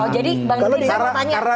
jadi bang gerindra kan pertanyaan